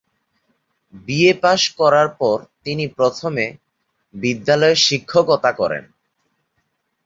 BA pass করার পর তিনি প্রথমে বিদ্যালয়ে শিক্ষকতা করেন।